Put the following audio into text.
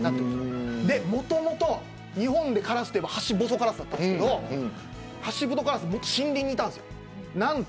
もともと日本でカラスといえばハシボソガラスだったんですけどハシブトガラスは、もっと森林にいたんですよ。